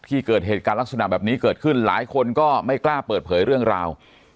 เกิดเหตุการณ์ลักษณะแบบนี้เกิดขึ้นหลายคนก็ไม่กล้าเปิดเผยเรื่องราว